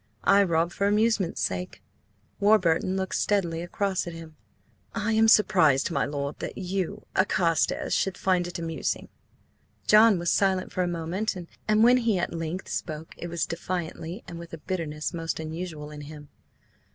I rob for amusement's sake." Warburton looked steadily across at him. "I am surprised, my lord, that you, a Carstares, should find it–amusing." John was silent for a moment, and when he at length spoke it was defiantly and with a bitterness most unusual in him.